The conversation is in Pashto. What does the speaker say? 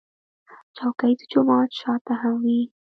چوکۍ د جومات شا ته هم وي.